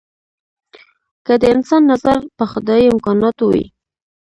که د انسان نظر په خدايي امکاناتو وي.